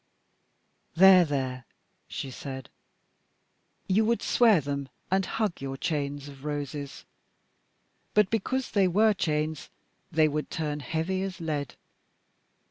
"There, there," she said. "You would swear them and hug your chains of roses but because they were chains they would turn heavy as lead.